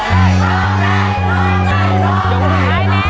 โตไปโตไปโตไป